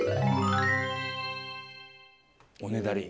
おねだり。